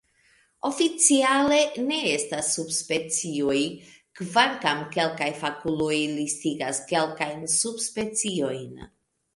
Oficiale, ne estas subspecioj, kvankam kelkaj fakuloj listigas kelkajn subspeciojn.